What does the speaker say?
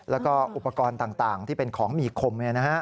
แล้วก็อุปกรณ์ต่างที่เป็นของมีคม